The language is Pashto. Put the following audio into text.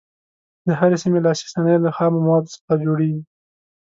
د هرې سیمې لاسي صنایع له خامو موادو څخه جوړیږي.